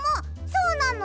そうなの？